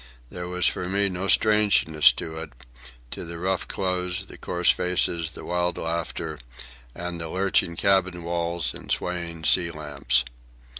There was for me no strangeness to it, to the rough clothes, the coarse faces, the wild laughter, and the lurching cabin walls and swaying sea lamps.